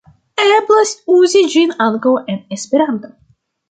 Eblas uzi ĝin ankaŭ en Esperanto.